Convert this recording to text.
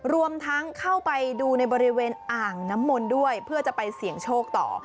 รวมทั้งเข้าไปดูในบริเวณอ่างน้ำมนต์ด้วยเพื่อจะไปเสี่ยงโชคต่อ